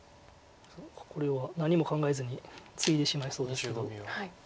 これは何も考えずにツイでしまいそうですけど。